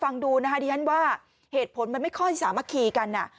ฟังดูนะคะดิฉันว่าเหตุผลมันไม่ค่อยสามัคคีกัน